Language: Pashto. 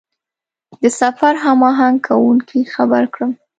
د سفر هماهنګ کوونکي خبر کړم.